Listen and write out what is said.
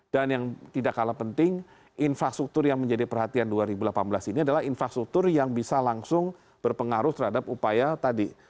dan yang tidak kalah penting infrastruktur yang menjadi perhatian dua ribu delapan belas ini adalah infrastruktur yang bisa langsung berpengaruh terhadap upaya tadi